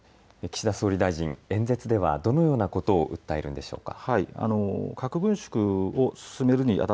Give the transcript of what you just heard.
岸田総理大臣、演説ではどのようなことを訴えるんでしょうか。